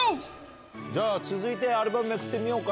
じゃあ、続いてアルバムめくってみようか。